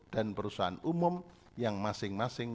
dan perusahaan umum yang masing masing